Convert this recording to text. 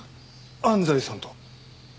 安西さんと？